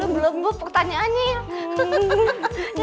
belum bu pertanyaannya ya